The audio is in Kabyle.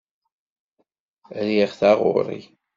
Riɣ taɣuri.